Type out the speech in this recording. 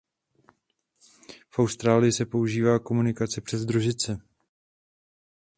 V Austrálii se používá komunikace přes družice.